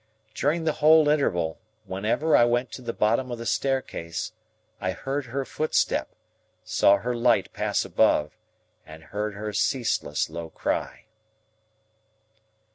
During the whole interval, whenever I went to the bottom of the staircase, I heard her footstep, saw her light pass above, and heard her ceaseless low cry.